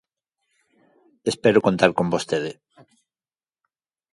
Espero contar con vostede.